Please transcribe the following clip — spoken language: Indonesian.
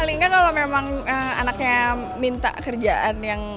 paling nggak kalau memang anaknya minta kerjaan